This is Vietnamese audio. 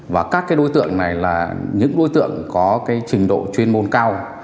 và các đối tượng này là những đối tượng có trình độ chuyên môn cao